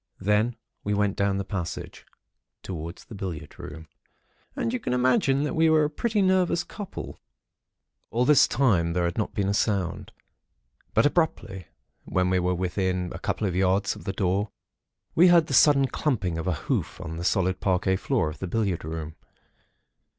Then we went down the passage, towards the billiard room; and you can imagine that we were a pretty nervous couple. "All this time, there had not been a sound; but abruptly when we were within perhaps a couple of yards of the door, we heard the sudden clumping of a hoof on the solid parquet floor of the billiard room.